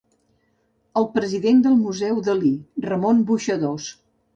El president del Museu Dalí, Ramon Boixadors.